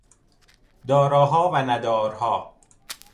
داراها و ندارها